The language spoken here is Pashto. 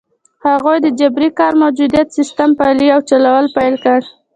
هغوی د جبري کار موجوده سیستم پلی او چلول پیل کړ.